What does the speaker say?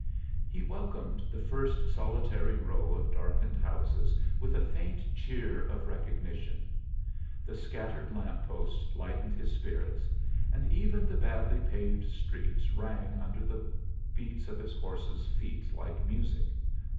He welcomed the first solitary row of darkened houses with a faint cheer of recognition. The scattered lamp posts lightened his spirits, and even the badly paved streets rang under the beats of his horse's feet like music.